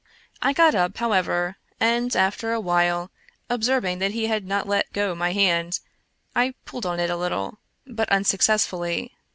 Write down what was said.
I got up, however, and after a while, observing that he had not let go my hand, I pulled on it a little, but unsuccess fully.